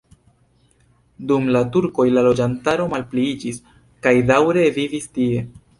Dum la turkoj la loĝantaro malpliiĝis kaj daŭre vivis tie.